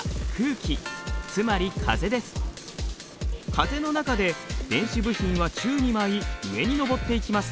風の中で電子部品は宙に舞い上に上っていきます。